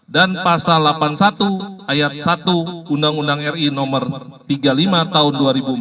dan pasal delapan puluh satu ayat satu undang undang ri no tiga puluh lima tahun dua ribu empat belas